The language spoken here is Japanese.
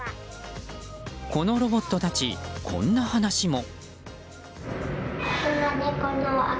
このロボットたち、こんな話も。